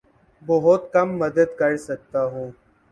بہت کم مدد کر سکتا ہوں